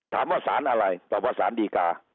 ถามว่าสารอะไรตอบว่าสารดีกา